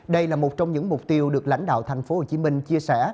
đây là một trong những mục tiêu được lãnh đạo thành phố hồ chí minh chia sẻ